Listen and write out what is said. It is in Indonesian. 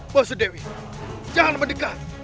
bosu dewi jangan mendekat